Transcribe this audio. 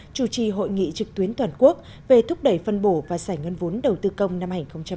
chủ trì hội nghị trực tuyến toàn quốc về thúc đẩy phân bổ và xảy ngân vốn đầu tư công năm hai nghìn một mươi chín